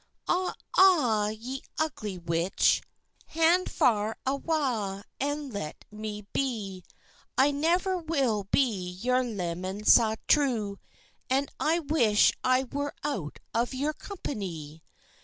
"Awa, awa, ye ugly witch, Hand far awa, and let me be; I never will be your leman sae true, And I wish I were out of your company."